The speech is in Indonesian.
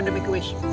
sampai jumpa lagi